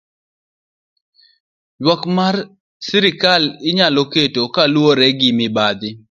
Ywak ma sirkal nyalo keto kaluwore gi mibadhi.